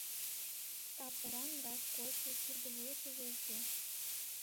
Кап-оран раш койшо шӱргывылышыже уке...